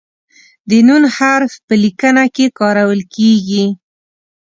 د "ن" حرف په لیکنه کې کارول کیږي.